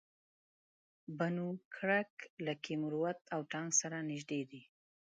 بنو کرک لکي مروت او ټانک سره نژدې دي